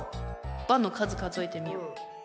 「ば」の数数えてみよう。